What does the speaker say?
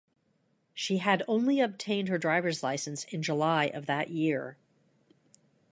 She had only obtained her driver's license in July of that year.